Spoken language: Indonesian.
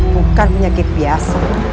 bukan penyakit biasa